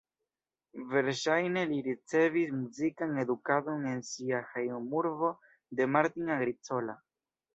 Verŝajne li ricevis muzikan edukadon en sia hejmurbo de Martin Agricola.